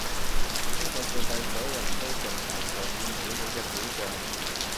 呢個世界所有人都淨係在意美好嘅表象